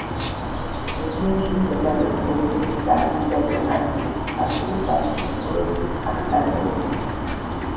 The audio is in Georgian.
რეგიონში მდებარეობს ძეგლები გარნი და გეღარდი, ასევე ზამთრის კურორტი წაღკაძორი.